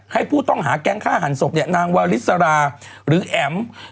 ให้ผู้ต้องหาแกงฆ่าหันศพนางวริสราหรือแอม